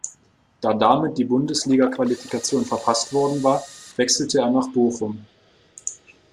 Da damit die Bundesliga-Qualifikation verpasst worden war, wechselte er nach Bochum.